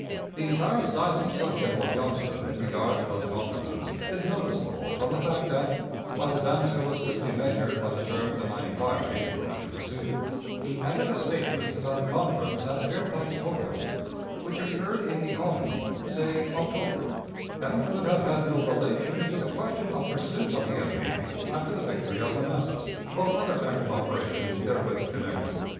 The entire silence of General Johnston in regard to those conferences is noticeable from the fact that, while his answer was strictly measured by the terms of my inquiry as to pursuit, he added a statement about a conference at Fairfax Court House, which occurred in the autumn, say October, and could have had no relation to the question of pursuit of the enemy after the victory of Manassas, or other active operations therewith connected.